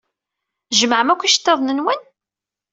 Tjemɛem akk iceṭṭiḍen-nwen?